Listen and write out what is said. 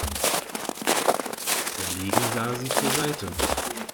Verlegen sah sie zur Seite.